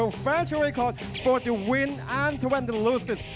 และที่สุดท้ายของวินอันเทอร์แวนด์ลูซิส